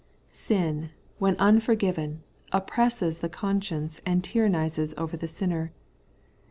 Sin, when imforgiven, oppresses the conscience and tyrannizes over the sinner.